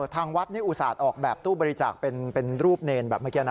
ทางวัดนี่อุตส่าห์ออกแบบตู้บริจาคเป็นรูปเนรแบบเมื่อกี้นะ